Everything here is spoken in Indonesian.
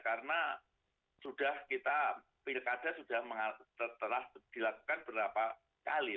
karena sudah kita pilkada sudah telah dilakukan berapa kali